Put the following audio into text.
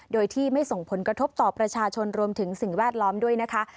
โดยที่ไม่ส่งผลกระทบต่อประชาชนรวมถึงสิ่งแวดล้อมด้วยนะคะ